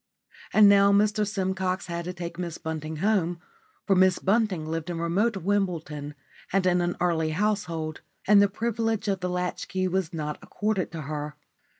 And now Mr Simcox had to take Miss Bunting home, for Miss Bunting lived in remote Wimbledon and in an early household, and the privilege of the latch key was not accorded to her.